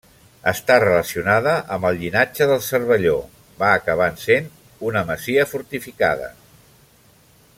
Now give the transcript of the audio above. Està relacionada amb el llinatge dels Cervelló, va acabant sent una masia fortificada.